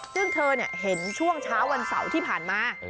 ซึ่งเธอเห็นช่วงเช้าวันเสาร์ที่ผ่านมา